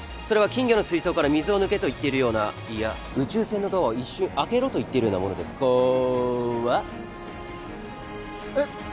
それは金魚の水槽から水を抜けと言っているようないや宇宙船のドアを一瞬開けろと言っているようなものですこっわ！